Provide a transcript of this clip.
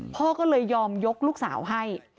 พ่อก็เลยยอมยกลูกสาวให้